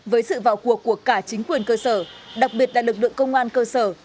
với sự vào cuộc của cả chính quyền cơ sở đặc biệt là lực lượng công an cơ sở